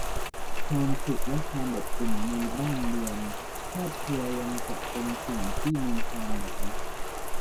ความสุขและความอบอุ่นในบ้านเรือนครอบครัวยังจะเป็นสิ่งที่มีความหมาย